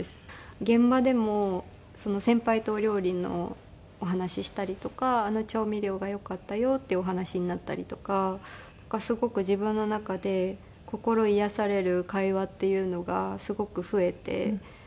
現場でも先輩とお料理のお話したりとか「あの調味料が良かったよ」っていうお話になったりとかすごく自分の中で心癒やされる会話っていうのがすごく増えて。